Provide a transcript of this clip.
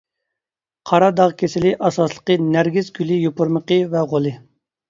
قارا داغ كېسىلى ئاساسلىقى نەرگىس گۈلى يوپۇرمىقى ۋە غولى.